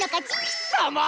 貴様！